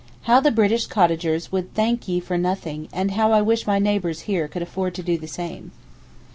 How the British cottagers would 'thank ye for nothing'—and how I wish my neighbours here could afford to do the same.